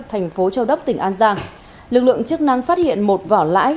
thành phố châu đốc tỉnh an giang lực lượng chức năng phát hiện một vỏ lãi